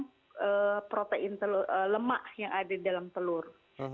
jadi ini adalah kata kata yang terkait dengan kata kata yang dikirakan oleh penelitian kami